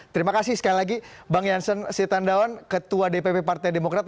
terima kasih sekali lagi bang jansen setandawan ketua dpp partai demokrat